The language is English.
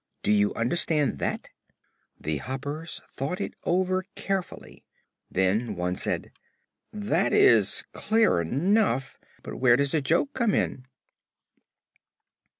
Do you understand that?" The Hoppers thought it over carefully. Then one said: "That is clear enough; but where does the joke come in?'"